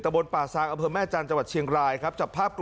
ตะบนป่าสางอเผิมแม่จันทร์จังหวัดเชียงรายครับ